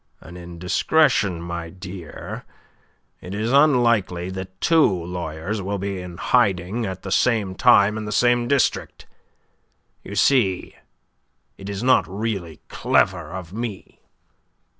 An indiscretion, my dear. It is unlikely that two lawyers will be in hiding at the same time in the same district. You see it is not really clever of me.